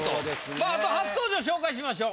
まああと初登場ご紹介しましょう。